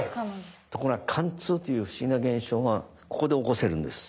ところが貫通という不思議な現象はここで起こせるんです。